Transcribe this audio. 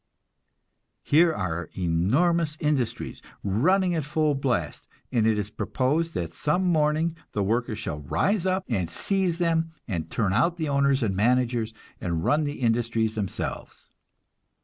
Here are enormous industries, running at full blast, and it is proposed that some morning the workers shall rise up and seize them, and turn out the owners and managers, and run the industries themselves.